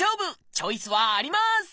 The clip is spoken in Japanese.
チョイスはあります！